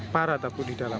parah takut di dalam